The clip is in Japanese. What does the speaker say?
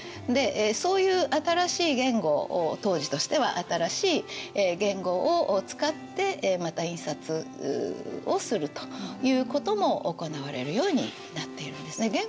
でそういう新しい言語を当時としては新しい言語を使ってまた印刷をするということも行われるようになっているんですね。